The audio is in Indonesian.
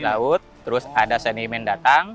laut terus ada sedimen datang